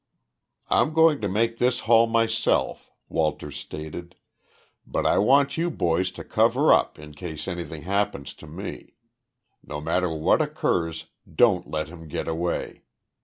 "I'm going to make this haul myself," Walters stated, "but I want you boys to cover up in case anything happens to me. No matter what occurs, don't let him get away.